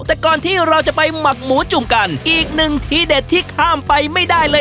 แต่ก่อนที่เราจะไปหมักหมูจุ่มกันอีกหนึ่งทีเด็ดที่ข้ามไปไม่ได้เลย